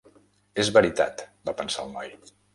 És veritat, va pensar el noi.